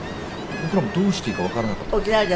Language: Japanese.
僕らもどうしていいかわからなかったです。